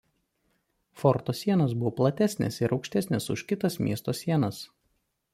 Forto sienos buvo platesnės ir aukštesnės už kitas miesto sienas.